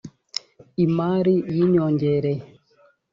imari y ‘inyongereye.